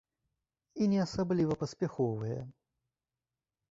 І не асабліва паспяховыя.